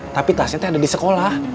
tapi tasetnya ada di sekolah